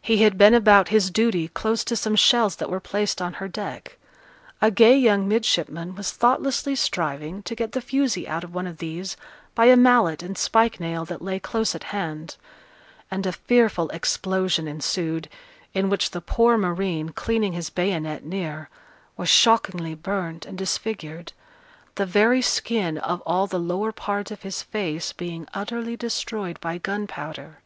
He had been about his duty close to some shells that were placed on her deck; a gay young midshipman was thoughtlessly striving to get the fusee out of one of these by a mallet and spike nail that lay close at hand; and a fearful explosion ensued, in which the poor marine, cleaning his bayonet near, was shockingly burnt and disfigured, the very skin of all the lower part of his face being utterly destroyed by gunpowder.